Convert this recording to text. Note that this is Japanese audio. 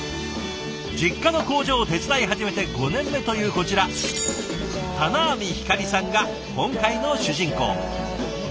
実家の工場を手伝い始めて５年目というこちら田名網ひかりさんが今回の主人公。